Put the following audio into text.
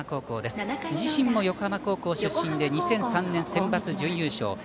自身も横浜高校出身で２００３年、センバツ準優勝。